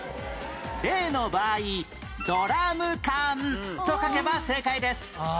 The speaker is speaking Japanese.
例の場合「ドラムかん」と書けば正解です